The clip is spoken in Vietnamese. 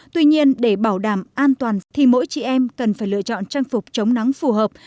tuy nhiên để bảo đảm an toàn thì mỗi chị em cần phải lựa chọn trang phục chống nắng phù hợp